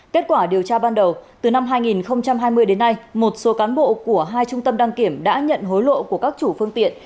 kết quả điều tra ban đầu từ năm hai nghìn hai mươi đến nay một số cán bộ của hai trung tâm đăng kiểm đã nhận hối lộ của các chủ phương tiện